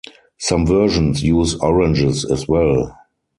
Some versions use oranges as well.